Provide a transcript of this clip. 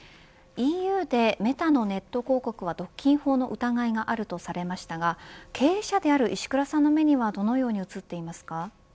ＥＵでメタのネット広告が独禁法の疑いがあるとされましたが経営者である石倉さんの目にはどのように映っていますか。